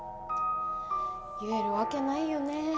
言えるわけないよね。